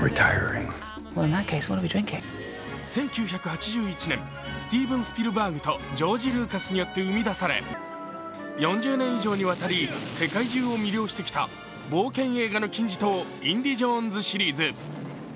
１９８１年、スティーブン・スピルバーグとジョージ・ルーカスによって生み出され、４０年以上にわたり世界中を魅了してきた冒険映画の金字塔、「インディ・ジョーンズ」シリーズ。